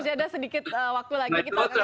masih ada sedikit waktu lagi kita akan coba